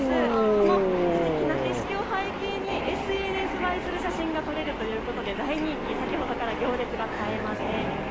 このすてきな景色を背景にＳＮＳ映えする写真が撮れるということで大人気で行列が絶えません。